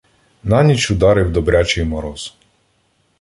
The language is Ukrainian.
На ніч ударив добрячий мороз.